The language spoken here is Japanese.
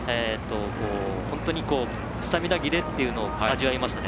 本当にスタミナ切れっていうのを味わいましたね。